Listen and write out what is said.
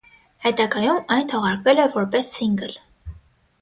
Հետագայում այն թողարկվել է որպես սինգլ։